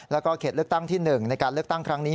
แล้วก็เขตเลือกตั้งที่๑ในการเลือกตั้งครั้งนี้